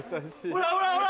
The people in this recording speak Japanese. ほらほらほら！